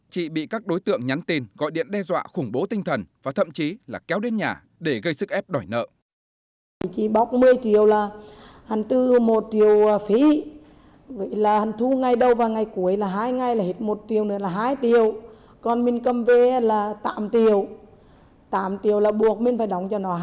chị bị các đối tượng nhắn tin gọi điện đe dọa khủng bố tinh thần và thậm chí là kéo đến nhà để gây sức ép đòi nợ